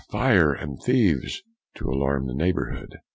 fire and thieves," to alarm the neighbourhood.